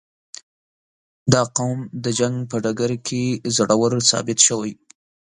• دا قوم د جنګ په ډګر کې زړور ثابت شوی.